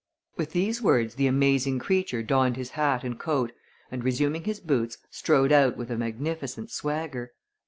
With these words the amazing creature donned his hat and coat and, resuming his boots, strode out with a magnificent swagger.